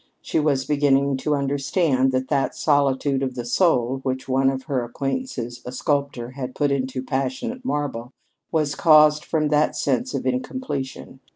She was beginning to understand that that "solitude of the soul," which one of her acquaintances, a sculptor, had put into passionate marble, was caused from that sense of incompletion.